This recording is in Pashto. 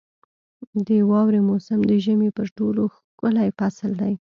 • د واورې موسم د ژمي تر ټولو ښکلی فصل دی.